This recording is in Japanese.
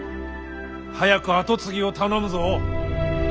早く跡継ぎを頼むぞ。